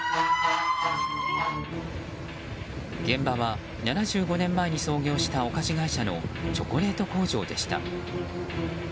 現場は７５年前に創業したお菓子会社のチョコレート工場でした。